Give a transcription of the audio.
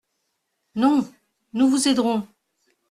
Non ! nous vous aiderons.